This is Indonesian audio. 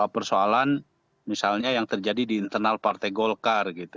persoalan misalnya yang terjadi di internal partai golkar gitu